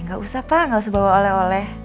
gak usah pak nggak usah bawa oleh oleh